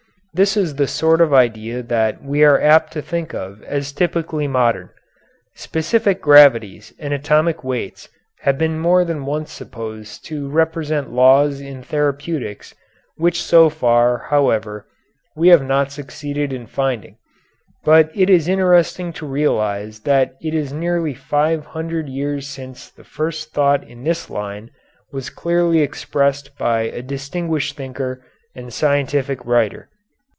This is the sort of idea that we are apt to think of as typically modern. Specific gravities and atomic weights have been more than once supposed to represent laws in therapeutics, which so far, however, we have not succeeded in finding, but it is interesting to realize that it is nearly five hundred years since the first thought in this line was clearly expressed by a distinguished thinker and scientific writer.